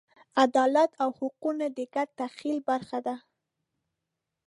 عدالت او حقونه د ګډ تخیل برخه ده.